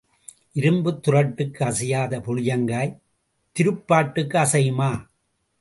இரும்புத் துறட்டுக்கு அசையாத புளியங்காய் திருப்பாட்டுக்கு அசையுமா?